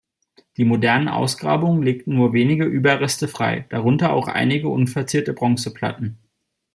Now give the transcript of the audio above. Die modernen Ausgrabungen legten nur wenige Überreste frei, darunter auch einige unverzierte Bronzeplatten.